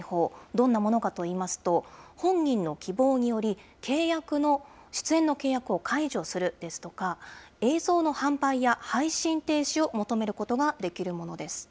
どんなものかといいますと、本人の希望により、出演の契約を解除するですとか、映像の販売や配信停止を求めることができるものです。